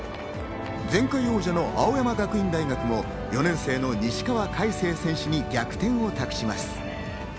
前回王者の青山学院大学を４年生の西川魁星選手に逆転を託します。